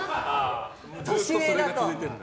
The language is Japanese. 年上だと。